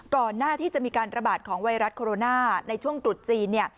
ก่อนหน้าที่จะมีการระบาดของไวรัสโคโรนาในช่วงตรุษจีนเนี่ย